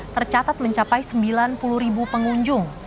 tercatat mencapai sembilan puluh ribu pengunjung